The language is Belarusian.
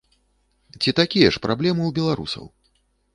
Ці такія ж праблемы ў беларусаў?